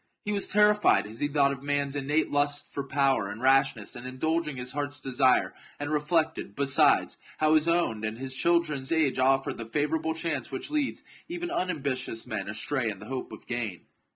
He was terrified as he thought q{ man's innate lust for power and rashness in indulging his heart's desire, and reflected, besides, how his own and his children's age offered the favourable chance which leads even unambitious men astray in the hope of gain.